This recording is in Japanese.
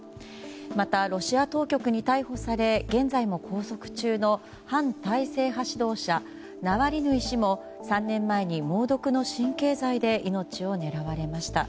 また、ロシア当局に逮捕され現在も拘束中の反体制派指導者ナワリヌイ氏も３年前に猛毒の神経剤で命を狙われました。